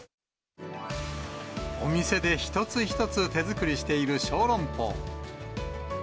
お店で一つ一つ手作りしているショウロンポウ。